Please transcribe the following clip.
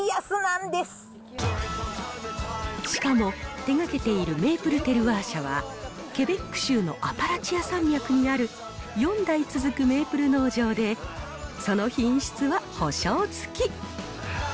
しかも、手がけているメープルテルワー社は、ケベック州のアパラチア山脈にある４代続くメープル農場で、その品質は保証付き。